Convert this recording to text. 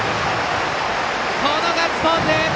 このガッツポーズ！